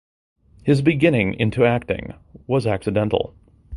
His beginning into the acting was accidental.